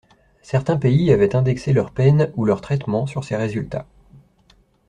Certains pays avaient indexé leurs peines ou leurs traitements sur ses résultats.